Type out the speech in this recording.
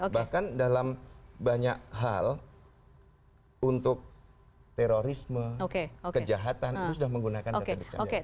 bahkan dalam banyak hal untuk terorisme kejahatan itu sudah menggunakan data bercanda